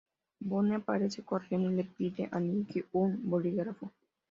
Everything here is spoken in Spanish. Boone aparece corriendo y le pide a Nikki un bolígrafo.